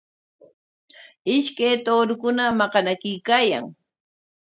Ishkay tuurukuna maqanakuykaayan.